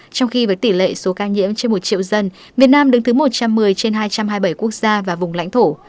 trong khi với tỷ lệ số ca nhiễm trên một triệu dân việt nam đứng thứ một trăm một mươi trên hai trăm hai mươi bảy quốc gia và vùng lãnh thổ